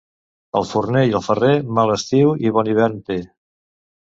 El forner i el ferrer, mal estiu i bon hivern té.